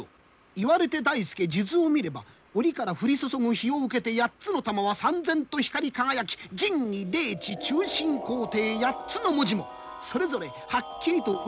言われて大助数珠を見れば折から降り注ぐ日を受けて八つの珠はさん然と光り輝き「仁義礼智忠信孝悌」八つの文字もそれぞれはっきりと浮き出て見えた。